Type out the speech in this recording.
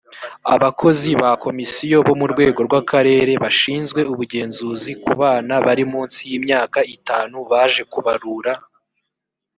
abakozi ba komisiyo bo mu rwego rwa karere bashizwe ubugenzuzi kubana bari munsi y’ imyaka itanu baje ku barura